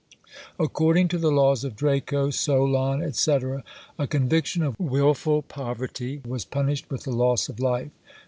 According to the laws of Draco, Solon, &c., a conviction of wilful poverty was punished with the loss of life.